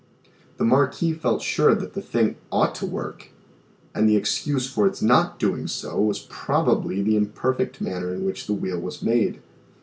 The Marquis felt sure that the thing ought to work, and the excuse for its not doing so was probably the imperfect manner in which the wheel was made.